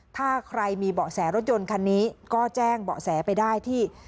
ถ้าใครมีเบาะแสรถยนต์คันนี้ก็แจ้งเบาะแสไปได้ที่